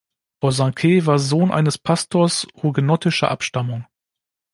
Bosanquet war Sohn eines Pastors hugenottischer Abstammung.